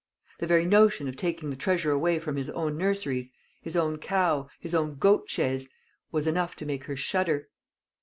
The very notion of taking the treasure away from his own nurseries, his own cow, his own goat chaise, was enough to make her shudder.